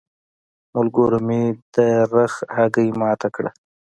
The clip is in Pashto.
ملګرو مې د رخ هګۍ ماته کړه.